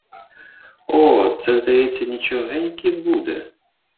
О, цей, здається, нічогенький буде!..